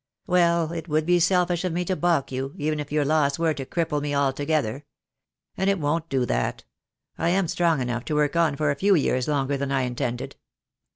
"Well, it would be selfish of me to baulk you, even if your loss were to cripple me altogether. And it won't do that. I am strong enough to work on for a few years longer than I intended."